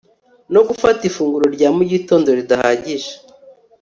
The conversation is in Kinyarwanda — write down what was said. ko gufata ifunguro rya mugitondo ridahagije